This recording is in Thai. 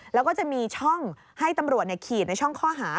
แล้วก็จะมีช่องให้ตำรวจขีดในช่องข้อหา